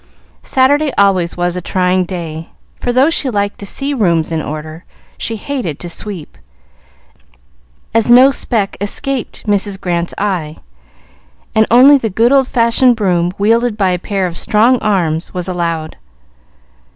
Saturday always was a trying day, for, though she liked to see rooms in order, she hated to sweep, as no speck escaped Mrs. Grant's eye, and only the good old fashioned broom, wielded by a pair of strong arms, was allowed.